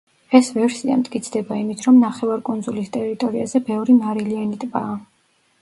ეს ვერსია მტკიცდება იმით, რომ ნახევარკუნძულის ტერიტორიაზე ბევრი მარილიანი ტბაა.